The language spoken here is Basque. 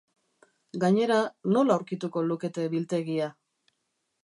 Gainera, nola aurkituko lukete biltegia?